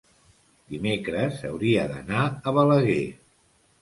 dimecres hauria d'anar a Balaguer.